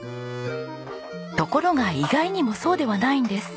ところが意外にもそうではないんです。